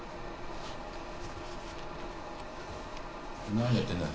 何やってんだよ。